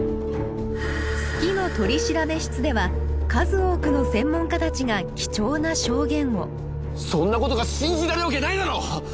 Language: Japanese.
「好きの取調室」では数多くの専門家たちが貴重な証言をそんなことが信じられるわけないだろ！